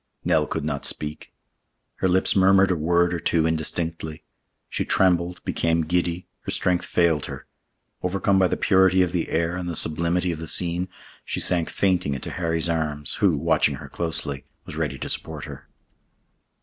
Nell could not speak. Her lips murmured a word or two indistinctly; she trembled, became giddy, her strength failed her; overcome by the purity of the air and the sublimity of the scene, she sank fainting into Harry's arms, who, watching her closely, was ready to support her.